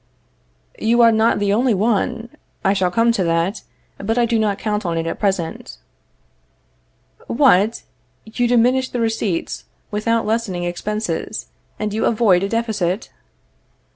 You are not the only one. I shall come to that; but I do not count on it at present. What! you diminish the receipts, without lessening expenses, and you avoid a deficit?